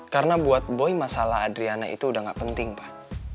karena buat boy masalah adriana itu udah gak penting pak